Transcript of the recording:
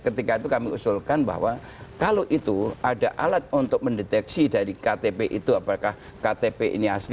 ketika itu kami usulkan bahwa kalau itu ada alat untuk mendeteksi dari ktp itu apakah ktp ini asli